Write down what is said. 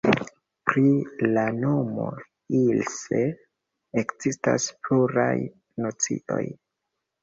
Pri la nomo "Ise" ekzistas pluraj nocioj.